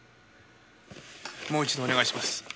もう一度お願いします。